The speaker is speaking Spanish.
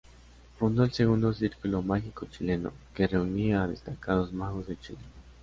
Fundó el segundo "Círculo Mágico Chileno" que reunía a destacados magos de Chile.